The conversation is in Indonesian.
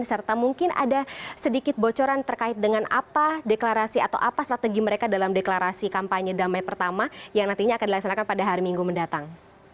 serta mungkin ada sedikit bocoran terkait dengan apa deklarasi atau apa strategi mereka dalam deklarasi kampanye damai pertama yang nantinya akan dilaksanakan pada hari minggu mendatang